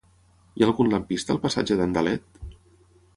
Hi ha algun lampista al passatge d'Andalet?